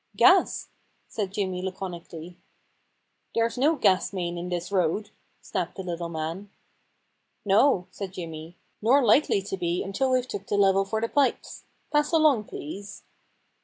* Gas,' said Jimmy laconically. * There's no gas main in this road,' snapped the little man. * No,' said Jimmy. * Nor likely to be until we've took the level for the pipes. Pass along, please.'